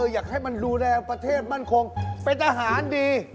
อยากให้มันดูแลประเทศมั่นคงเป็นทหารดี